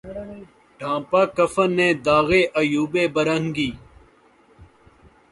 ڈھانپا کفن نے داغِ عیوبِ برہنگی